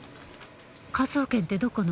科捜研ってどこの？